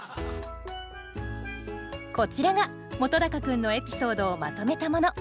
こちらが本君のエピソードをまとめたもの。